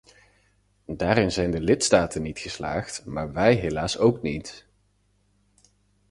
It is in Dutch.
Daarin zijn de lidstaten niet geslaagd, maar wij helaas ook niet.